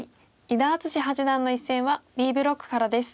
伊田篤史八段の一戦はＢブロックからです。